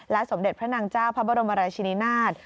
สมเด็จพระนางเจ้าพระบรมราชินินาศ